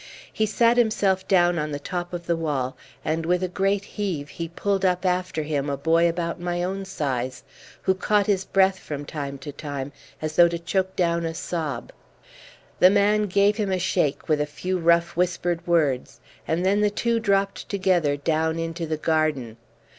He sat himself down on the top of the wall, and with a great heave he pulled up after him a boy about my own size, who caught his breath from time to time as though to choke down a sob. The man gave him a shake, with a few rough whispered words, and then the two dropped together down into the garden.